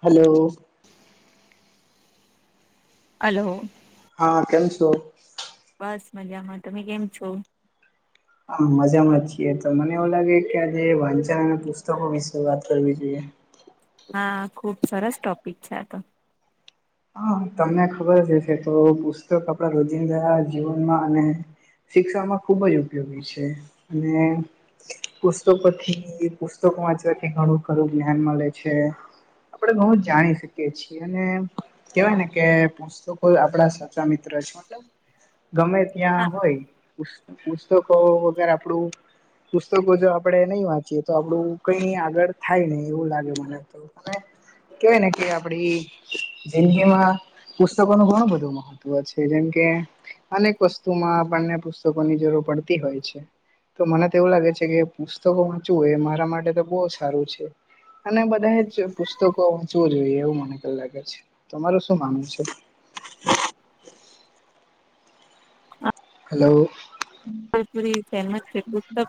Hello [unintelligible] hello હા કેમ છો બસ મજામાં તમે કેમ છો હા મજામાં જ છીએ તો મને એવું લાગે કે આજે વાંચન અને પુસ્તકો વિશે વાત કરવી જોઈએ હા ખુબ સરસ ટોપિક છે આ તો હા તમને ખબર જશે તો પુસ્તક આપડા રોજીી ગયા જીવનમાં અને શિક્ષામાં ખૂબ જ ઉપયોગી છે અને પુસ્તકોથી પુસ્તકો વાંચવાથી ઘણું ખરું જ્ઞાન મળે છે આપડણે ઘણું જ જાણી શકીએ છીએ અને કેવાય ને કે પુસ્તકો આપડા સાચા મિત્ર છે ગમે ત્યાં હોય પ પુસ્તકો વગર આપણું પુસ્તકો જો આપડણે નહીં વાંચીએ તો આપડું કઈ આગળ થાય નહી એવું લાગે મને તો કેવાય ને કે આપડી જિંદગીમાં પુસ્તકો ન ઘણું બધું મહત્વ છે જેમ કે અનેક વસ્તુમાં આપણને પુસ્તકોની જરૂર પડતી હોય છે તો મને તો એવું લાગે છે કે પુસ્તકો વાંચવુંય એ મારા માટે તો બહુ સારું છે અને બધા પુસ્તકો વંચવું જોઈએ એવું મને ક લાગે છે તમારું શું માનવું છે હલો. લપુરી સેન શ્રી પુસ્તક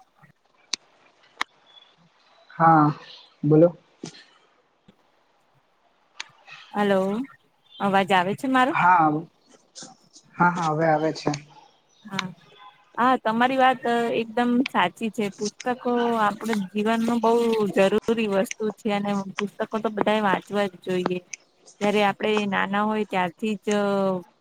હા બોલો હલો અવાજ આવે છે મારો હા હા હા હવે આવે છે હા હા તમારી વાત એકદમ સાચી છે પુસ્તકો આપડ જીવન ન બહ જરૂરી પરી વસ્તુ છે અને પુસ્તકો તો બધા વાંચવા જ જોઈએ જયારે આપડે નાના હોય ત્યારથી જ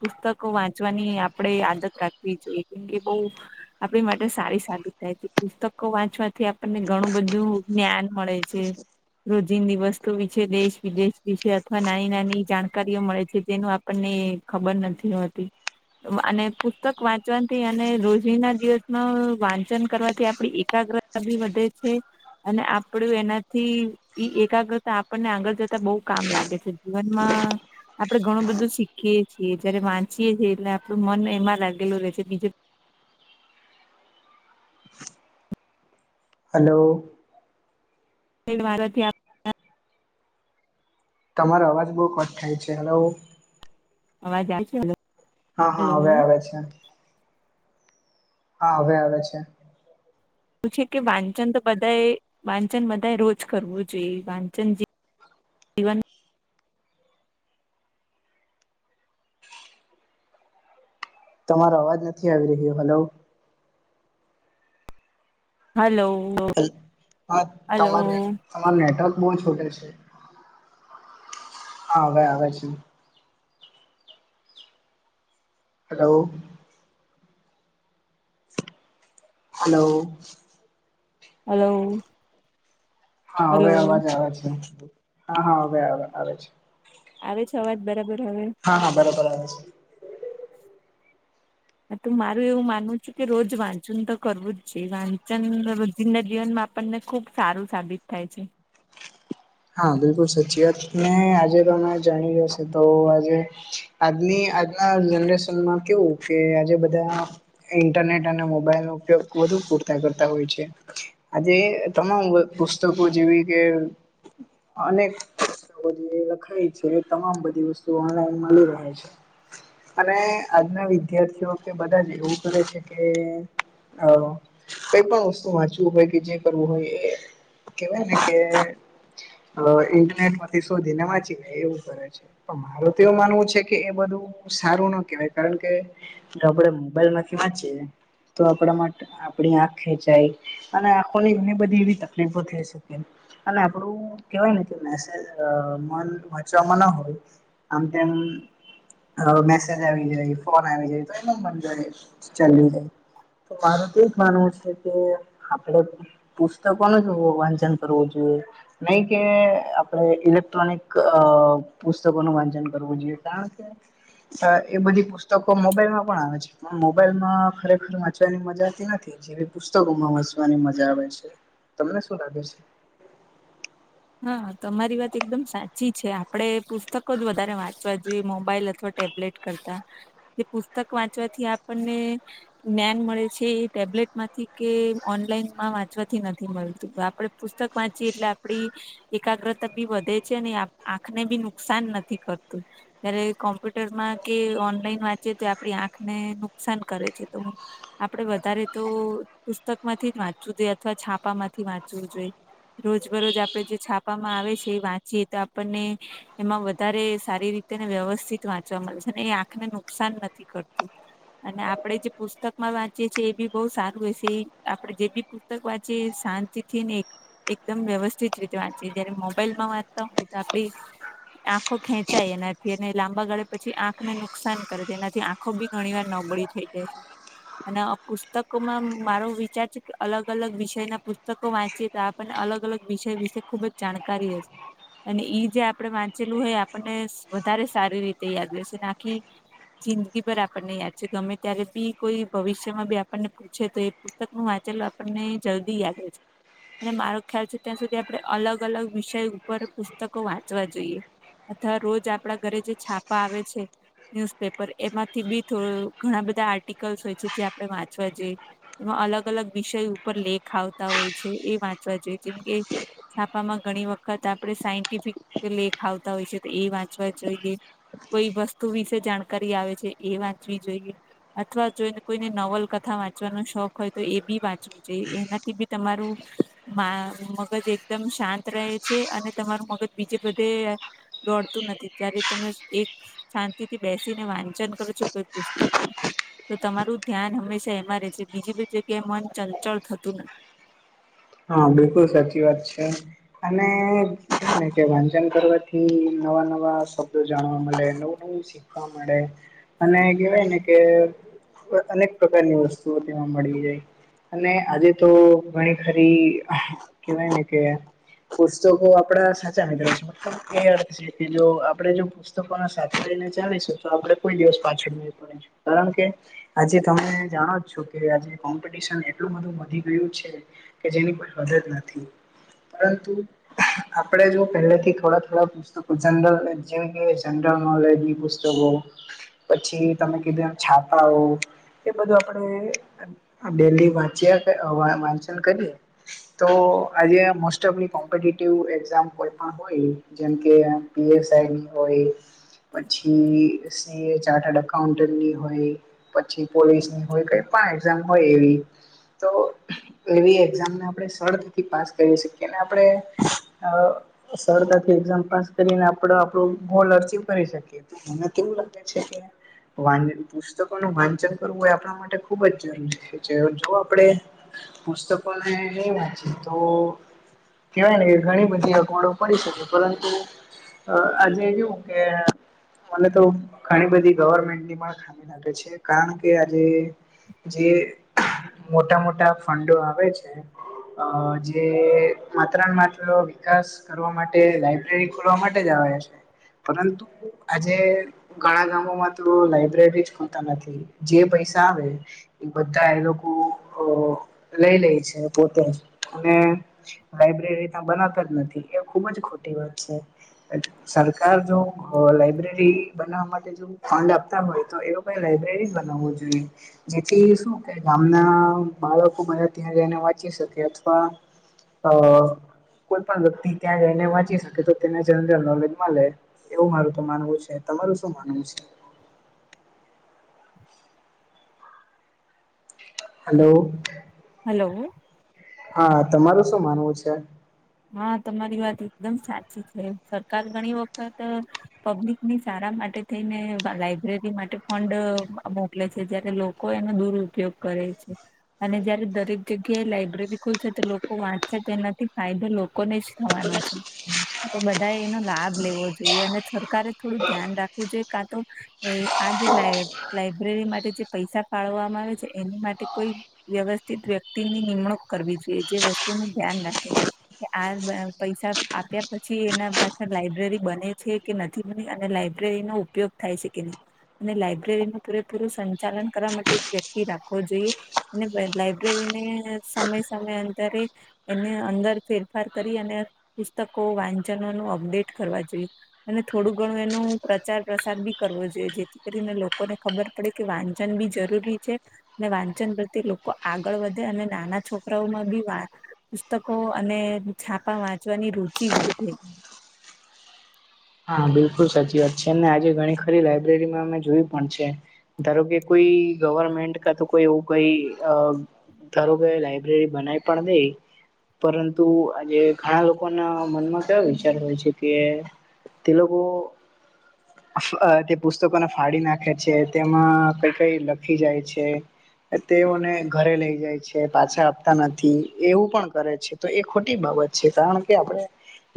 પુસ્તકો વાંચવાની આપડે આદત રાખી એ જોઈએ કેમ કે બહુ આપણી માટે સારી સાબિત થાય છે પુસ્તકો વાંચવાથી આપણને ઘણું બધું જ્ઞાન મળે છે રોજીિંદી વસ્તુ વિશે દેશ વિદેશ વિશે અથવા નાની નાની જાણકારીઓ મળે છે તેનું આપની ખબર નથી હોતી અને પુસ્તક વાંચવાથી અને રોજ ના દિવસ ન વાંચન કરવાથી આપડી એકાગ્રતા બી વધે છે અને આપડું એનાથી ઈ એકાગ્રતા આપણને આગળ જતા બહુ કામ લાગે છે જીવનમાં આપડણે ઘણું બધું શીખીએ છીએ જયારે વાંચીએે છીએ એટલે આપણું મન એમાં લાગેલું રહે છે બીજે હલો ભારત તમારો અવાજ બહુ કોટ થાય છે હલો અવાજ આવ છે હા હા હલો હવે આવે છે હા હવે આવે છે એ છે કે વાંચન તો બધાએ વાંચન બધાએ રોજ કરવું જોઈએ વાંચન જે જીવન તમારો અવાજ નથી આવી રહ્યો હલો હલો. હા હલો તમારે તમાર નેટવર્ક બહુ છોટે છે. હાવેે અ છે હેલો હલો હલો હા હવે હલો અવાજ આવે છે હા હા હવે આવે છે આવે છેવાજ બરાબર હવે હા હા બરોબર આવે હ તો મારું એવું માનવું છું કે રોજ વાંચન તો કરવું જ છે વાંચન જંદ જીવન આપણને ખુબ સારું સાબિત થાય છે હા બિલકુલ સાચી વાત ને આજે તમે જાણી જ્યાશે તો આજે આજની આજના જનરેશનમાં કેવું કે આજે બધા ઇન્ટરનેટ અને મોબાઈલ નો ઉપયોગ વધુ પૂરતા કરતા હોય છે. આજે તમામ પુસ્તકો જેવી કે, અનેક લખાય છે, તમામ બધી વસ્તુ ઓનલાઈન મળી રહે છે. અને આજના વિદ્યાર્થીઓ કે બધા જ એવું કરે છે કે, હ કઈ પણ વસ્તુ વાંચવું હોય કે જે કરવું હોય એ કેવાયને કે, અ ઇન્ટરનેટ માંથી શોધી ને વાંચીને એવું કરે પણ મારું તો એવું માનવું છે કે એ બધું સારું ના કેહેવાય કારણ કે, જો આપણે મોબાઈલ માંથી વાંચીએ તો આપડા માટે આપણી આંખ ખેંચાય, અને આખોલી એને બધી એવી તકલીફો થઈ શકે અને, થોડું કેવાય ને કે મેસેજ મન વાંચવામાં ના હોય. આમ તેમ, મેસેજ આવી જાય ફોન આવી જાય તો એ નબર જો ચાલ જાય. તો મારું તો એજ માનવું છે કે આપડે, પુસ્તકો ન જો વાંચન કરવું જોઈએ. નહી કે આપણે ઇલેક્ટ્રોનિક અ પુસ્તકોનું વાંચન કરવું જોઈએ કારણ કે, સર એ બધી પુસ્તકો મોબાઈલ માં પણ આવે છે. મોબાઈલ માં ખરેખર વાંચવાની મજાતી નથી જેવી પુસ્તકોમાં વાંચવાની મજા આવે છે. તમને શું લાગે છે? હા તમારી વાત એકદમ સાચી છે, આપડણે પુસ્તકો જ વધારે વાંચવા જોઈએ મોબાઈલ અથવા, ટેબલેટ કરતા જે પુસ્તક વાંચવાથી આપણને, જ્ઞાન મળે છે, એ ટેબ્લેટ માંથી કે ઓનલાઈન માં વાંચવાથી નથી મળતું આપડે. પુતક વાંચી એટલે આપડી. એકાગ્રતા બી વધે છે, આંખને બી નુકસાન નથી કરતું. ત્યારે કોમ્પ્યુટરમાં કે ઓનલાઈન વાંચીે તો આપણી આંખને નુકસાન કરે છે તો હું આપડે વધારે તો પુસ્તક માંથી જ વાંચવું જોઈએ અથવા છાપામાંથી વાંચવું જોઈએ. રોજબરોજ આપડે જે છાપામાં આવે છે, એ વાંચીએ તો આપણને, એમાં વધારે સારી રીતે વ્યવસ્થિત વાંચવા મળે છે, ને એ આંખને નુકસાન નથી કરતું. અને આપણેે જે પુસ્તક માં વાંચીએે છીએ એ બી બહુ સારું હશે એ આપણેે જે બી પુસ્તક વાંચી શાંતિ થી ને એક એકદમ વ્યવસ્થિત રી વાંચી જયારે મોબાઈલ માં વાંતા હોધ આપડી. આંખો ખેંચાય એનાથી અને લાંબા ગાળે પછી આંખને નુકસાન કરે છે એનાથી આંખ. આખો બી ઘણી વાર નબળી થઈ જાય છે. અને આ પુસ્તકોમાં મારો વિચાર છે કે અલગ અલગ વિષય ના પુસ્તકો વાંચી આપણને અલગ અલગ વિષય વિશે ખુબ જ જાણકારી હશે. અને ઈ જે આપણે વાંચેલું હોય આપણને વધારે સારી રીતે યાદ રહેશે આખી જિંદગી પરર આપણને યાદ છે ગમે ત્યારે બી કોઈ ભવિષ્યમાં બી આપણને પૂછે તો એ પુસ્તક નું વાંચેલું આપણને જલ્દી યાદ હો છે અને મારો ખ્યાલ છે ત્યાં સુધી આપડણે અલગ અલગ વિષય ઉપર પુસ્તકો વાંચવા જોઈએ અધા રોજ આપડા ઘરે જે છાપા આવે છે ન્યુઝપેપર એમાંથી બી થોડું ઘણા બધા આર્ટિકલ્સ હોય છે જે આપડણે વાંચવા જઈએ. એમાં અલગ અલગ વિષય ઉપર લેખ આવતા હોય છે એ વાંચવા જોઈએ જેમ કે, છાપામાં ઘણી વખત આપણેે સાયન્ટિફિક લેખ આવતા હોય છે તો એ વાંચવા જોઈએ. કોઈ વસ્તુ વિશે જાણકારી આવે છે, એ વાંચવી જોઈએ. અથવા જોઈને કોઈને નવલ કથા વાંચવાનો શોખ હોય તો એ બી વાંચવું, જે એનાથી બી તમારું મા મગજ એક. એકદમ શાંત રહે છે, અને તમારું મગજ બીજે બધે દોડતું નથી ત્યારે તમે એક, શાંતિ થી બેસીને વાંચન કરું છું કોઈ પુસ્તક ન તો તમારું ધ્યાન હંમેશા એમાં રહે છે, બીજી બધી જગ્યાએ મન ચંચળ થતું નથી. હા બિલકુલ સાચી વાત છે. અનેને કે વાચન કરવાથી નવા નવા શબ્દો જાણવા મળે નવું નવું. વા મળે અને કેહેવાય ને કે, અનેક પ્રકારની વસ્તુઓ તેમાં મળી જાય અને આજે તો ગણી હરી કવાય નને કે પુસ્તકો આપડા સાચા નીકળ છે મતલબ એડ એ જો આપડે જો પુસ્તકો સાથે લઈને ચાલીશું તો આપડે કોઈ દિવસ પાછળ ન પડે કારણ કે આજે તમે જાણો છો કે આજે કોમ્પિટશન એટલું બધું વધી ગયું છે કે જેની કોઈ મદદ નથી પરંતુ આપણે જો પહેલેથી થોડા થોડા લ જેમ જનરલ નોલેજ પુસ્તકો પછી તમે કીધું એમ છાપાઓ એ બધું આપડે ડેલી વાંચ્યા વાંચન કરી તો આજે મોસ્ટ ઓફ કોમ્પિટિવ એક્ઝામ કોઈ પણ હોય જેમકે પીએસઆઈની હોય પછી ચા્ટડ અકાઉન્ટન્ટની હોય પછી પોલીસની હોય કઈ પણ એક્ઝામ હોય એવી તો એવી એક્ઝામને આપદે સરળતાથી પાસ કરી શકીએ ને આપણે સરળતાથી એક્ઝામ પાસ કરીને આપડે આપણું ગોલ અર્ચીવ કરી શકીએ. મને કેવું લાગે છે કે વા પુસ્તકોનું વાંચન કરવું એ આપણા માટે ખૂબ જ જરૂરી છે જો આપણે પુસ્તકો ને ની વાંચીએ તો કેવાય ને કે ઘણી બધી અગવડો પડી શકે પરંતુ અ આજે કેવું કે મને તો ઘણી બધી ગવર્મેન્ટની પણ ખામી લાગે છે કારણ કે આજે જે મોટા મોટા ફંડો આવે છે જે માત્ર ને માત્ર વિકાસ કરવા માટે લાઈબ્રેરી ખોલવા માટે જ આવે છે પરંતુ આજે ઘણા ગામોમાં તો લાઈબ્રેરી જ ખોલતા નથી જે પૈસા આવે એ બધા એ લોકો અ લઈ લે છે પોતે અને લાઈબ્રેરી ત્યા બનાવતા જ નથી એ ખુબ જ ખોટી વાત છે. સરકાર જો લાઈબ્રેરી બનાવવા માટે ફંડ આપતા હોય તો એ લોકો એ લાઈબ્રેરી બનાવવો જોઈએ. જેથી શું કે ગામના બાળકો બધા ત્યાં જઈને વાંચી શકે અથવા અ કોઈ પણ વ્યક્તિ ત્યાં જઈને વાંચી શકે તો તેને જનરલ નોલેજ મલે. એવું મારું તો માનવું છે તમારું શું માનવું છે હાલો હલો હા તમારું શું માનવું છે હા તમારી વાત એકદમ સાચી છે સરકાર ઘણી વખત પબ્લિકની સારા માટે થઈને લાઈબ્રેરી માટે ફંડ મોકલે છે જયારે લોકો એનો દુરઉપયોગ કરે છે. અને જયારે દરેક જગ્યાએ લાઈબ્રેરી ખુલશે તો લોકો વાંચશે તેનાથી ફાયદો લોકો ને જ થવાનો છે. તો બધાએ એનો લાભ લેવો જોઈએ અને સરકારે થોડું ધ્યાન રાખવું જોઈએ કા તો એ આ જે લાઈ લાઈબ્રેરી માટે જે પૈસા ફળવામાં આવે છે એની માટે કોઈ વ્યવસ્થિત વ્યક્તિની નિમણૂક કરવી જોઈએ જે વસ્તુ નું ધ્યાન રાખે. કે આ પૈસા આપ્યા પછી એના પાછળ લાયબ્રેરી બને છે કે નથી બની અને લાઈબ્રેરી નો ઉપયોગ થાય છે કે નહી અને લાયબ્રેરીનું પૂરેપૂરું સંચાલન કરવા માટે એક વ્યક્તિ રાખવો જોઈએ. અને લાઈબ્રેરીને સમય સમય અંતરે એને અંદર ફેરફાર કરી અને પુસ્તકો વાંચનો નું અપડેટ કરવા જોઈએ. અને થોડું ઘણું એનો પ્રચાર પ્રસાર બી કરવો જોઈએ જેથી કરીને લોકોને ખબર પડે કે વાંચન બી જરૂરી છે. ને વાંચન પ્રત્યે લોકો આગળ વધે અને નાના છોકરાઓમાં બી પુસ્તકો અને છાપા વાંચવાની રુચિ વધે. હા બિલકુલ સાચી વાત છે અને આજે ઘણી ખરી લાઈબ્રેરીમાં અમે જોયું પણ છે. ધારો કે કોઈ ગવર્મેન્ટ કા તો કોઈ એવું કઈ ધારુંકે લાઈબ્રેરી બનાવી પણ દઈ પરંતુ આજે ઘણા લોકોના મનમાં કેવા વિચાર હોય છે કે તે લોકો [unintelligible] અથવા તે પુસ્તકોને ફાડી નાખે છે, તેમાં કંઈ-કંઈ લખી જાય છે. તેઓને ઘરે લઇ જાય છે, પાછા આપતા નથી એવું પણ કરે છે. તો એ ખોટી બાબત છે, કારણ કે આપણે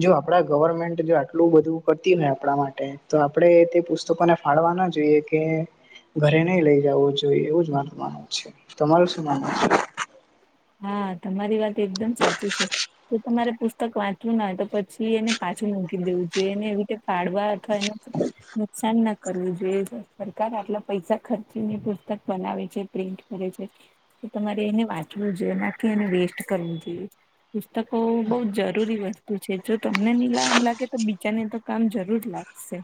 જો આપડા ગવર્મેન્ટ જો આટલું બધું કરતી હોય આપણા માટે તો આપણે તે પુસ્તકોને ફાળવા ના જોઈએ કે ઘરે નઈ લઈ જવું જોઈએ એવું જ મારું માનવું છે તમારું શું માનવું છે હા તમારી વાત એકદમ સાચી છે જો તમારે પુસ્તક વાંચવું ના હોય તો પછી એને પાછું મૂકી દેવું જોઈએ એને એવી રીતે ફાળવા અથવા એનું નુકસાન ના કરવું જોઈએ સરકાર આટલા પૈસા ખર્ચીને પુસ્તક બનાવે છે. પ્રિન્ટ કરે છે, તો તમારે એને વાંચવું જોઈએ, ના કે એને વેસ્ટ કરવું જોઈએ. પુસ્તકો બહુ જરૂરી વસ્તુ છે, જો તમને નીલામ લાગે તો બીજાને તો કામ જરૂર લાગશે.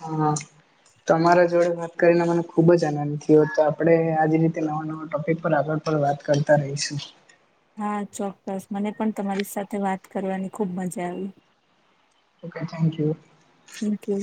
હા. તમારા જોડે વાત કરીને મને ખૂબ જ આનંદ થયો. તો આપણે આજ રીતે નવા-નવા ટોપિક પર આગળ પણ વાત કરતા રહીશું. હા ચોક્કસ. મને પણ તમારી સાથે વાત કરવાની ખુબ મજા આવી. Okay, thank you. Thank you.